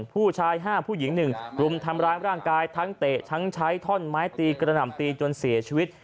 ผู้ชาย๕ผู้หญิง๑กลุ่มทำร้ายร่างกายทั้งเตะทั้งใช้ท่อนไม้ตีกระหน่ำตีจนเสียชีวิต